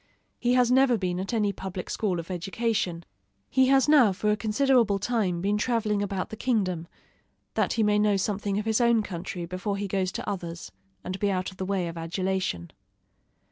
He has never been at any public school of education. He has now for a considerable time been traveling about the kingdom, that he may know something of his own country before he goes to others, and be out of the way of adulation.